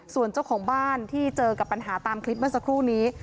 ส่วนเจ้าของบ้านที่เจอกับปัญหาตามคลิปเมื่อสักครู่นี้